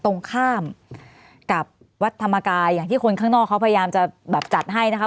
ตรงข้ามกับวัดธรรมกายอย่างที่คนข้างนอกเขาพยายามจะแบบจัดให้นะคะ